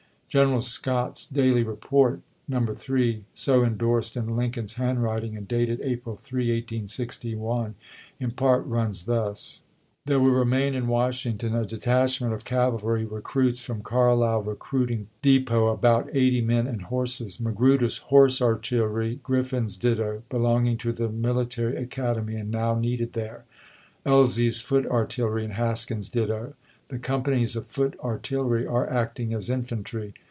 "General Scott's daily report, No. 3," — so in dorsed in Lincoln's handwriting and dated April 3, 1861, — in part runs thus: 64 GENERAL WINFIELD SCOTT. THE CALL TO AEMS 65 There will remain in Washington a detachment of chap. iv. cavalry recruits from Carlisle recruiting depot, about eighty men and horses; Magruder's horse artillery; Griffin's ditto, belonging to the Military Academy and now needed there; Elzey's foot artillery and Haskiu's ditto. The companies of foot artillery are acting as infantry.